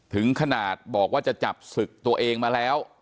ถึงขนาดบอกว่าจะจับศึกตัวเองมาแล้ว